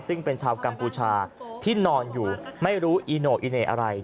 ซึ่งเป็นชาวกัมพูชาที่นอนอยู่ไม่รู้อีโน่อีเหน่อะไร